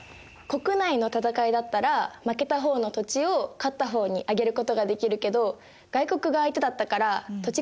国内の戦いだったら負けた方の土地を勝った方にあげることができるけど外国が相手だったから土地が手に入らなかったんじゃない？